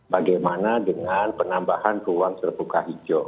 bagaimana dengan penambahan ruang terbuka hijau